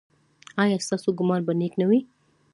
ایا ستاسو ګمان به نیک نه وي؟